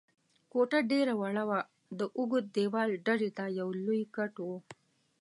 کوټه ډېره وړه وه، د اوږد دېوال ډډې ته یو لوی کټ و.